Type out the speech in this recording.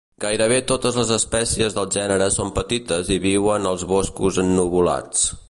Gairebé totes les espècies del gènere són petites i viuen als boscos ennuvolats.